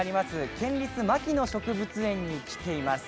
県立牧野植物園に来ています。